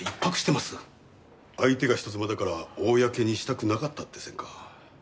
相手が人妻だから公にしたくなかったって線か。